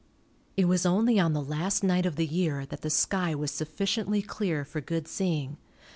It was only on the last night of the year that the sky was sufficiently clear for good seeing.